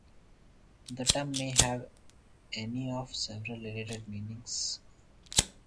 The term may have any of several related meanings.